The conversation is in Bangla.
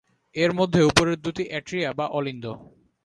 এর মধ্যে উপরের দুটি অ্যাট্রিয়া বা অলিন্দ।